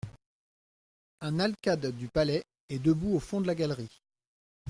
Un alcade du palais est debout au fond de la galerie.